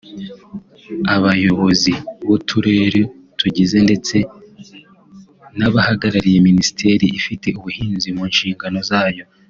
abayobozi b’uturere tuyigize ndetse n’abahagarariye Minisiteri ifite ubuhinzi mu nshingano zayo